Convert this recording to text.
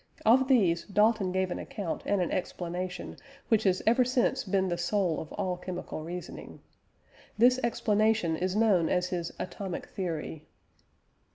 Of these, Dalton gave an account and an explanation which has ever since been the soul of all chemical reasoning. This explanation is known as his Atomic theory.